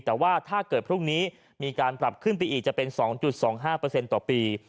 แต่ว่าถ้าเกิดพรุ่งนี้มีการปรับขึ้นไปอีกจะเป็น๒๒๕ต่อปี